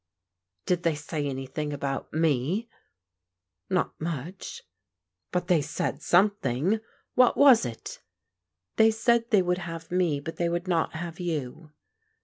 " Did they say anything about me? "•* Not much." *' But they said something. What was it ?"They said they would have me, but they would not have you."